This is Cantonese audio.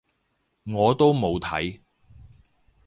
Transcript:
我都冇睇